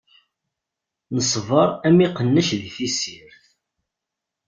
Neṣbeṛ am iqnac di tessirt.